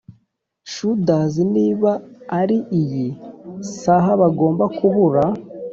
shudders niba ari iyi saha bagomba kubura.